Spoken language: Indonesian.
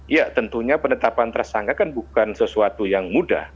ya tentunya penetapan tersangka kan bukan sesuatu yang mudah